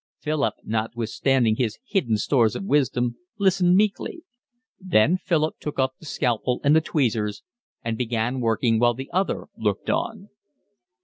Philip, notwithstanding his hidden stores of wisdom, listened meekly. Then Philip took up the scalpel and the tweezers and began working while the other looked on.